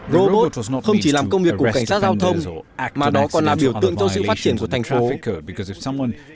robot không chỉ làm công việc của cảnh sát giao thông mà đó còn là biểu tượng cho sự phát triển của thành phố